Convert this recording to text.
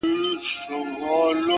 ستا بې روخۍ ته به شعرونه ليکم،